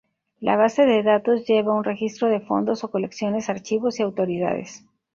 La base de datos lleva un registro de fondos o colecciones, archivos y autoridades.